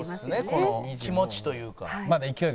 この気持ちというか。